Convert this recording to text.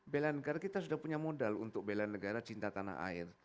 bela negara kita sudah punya modal untuk bela negara cinta tanah air